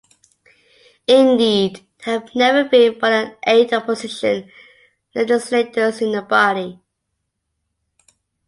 Indeed, there have never been more than eight opposition legislators in the body.